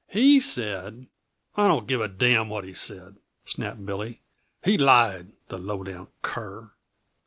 "He said " "I don't give a damn what he said," snapped Billy. "He lied, the low down cur."